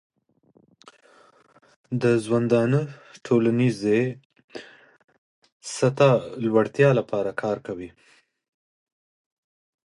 د ژوندانه ټولنیزې سطحې لوړتیا لپاره کار کوي.